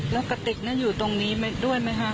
แล้วกระติกอยู่ตรงนี้ด้วยไหมคะ